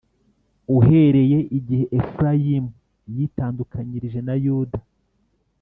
uhereye igihe Efurayimu yitandukanyirije na Yuda